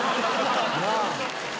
「なあ」